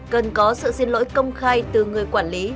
cần có sự xin lỗi công khai từ người quản lý